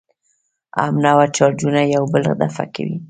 همنوع چارجونه یو بل دفع کوي.